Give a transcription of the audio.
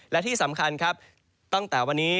และที่สำคัญครับตั้งแต่วันนี้